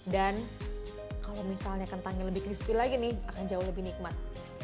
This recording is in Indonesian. dan kalau misalnya kentangnya lebih crispy lagi nih akan jauh lebih nikmat